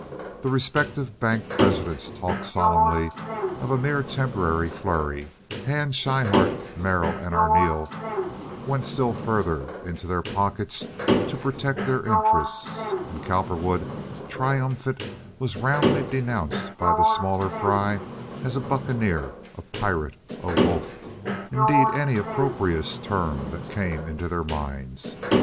The respective bank presidents talked solemnly of "a mere temporary flurry," Hand, Schryhart, Merrill, and Arneel went still further into their pockets to protect their interests, and Cowperwood, triumphant, was roundly denounced by the smaller fry as a "bucaneer," a "pirate," a "wolf"—indeed, any opprobrious term that came into their minds.